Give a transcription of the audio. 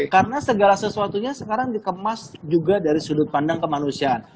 karena segala sesuatunya sekarang dikemas juga dari sudut pandang kemanusiaan